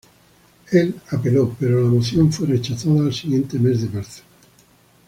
Él apeló, pero la moción fue rechazada el siguiente mes de marzo.